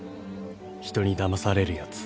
［人にだまされるやつ］